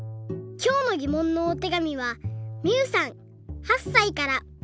きょうのぎもんのおてがみはみゆさん８さいから。